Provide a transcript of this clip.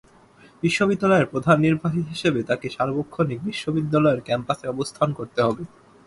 বিশ্ববিদ্যালয়ের প্রধান নির্বাহী হিসেবে তাঁকে সার্বক্ষণিক বিশ্ববিদ্যালয়ের ক্যাম্পাসে অবস্থান করতে হবে।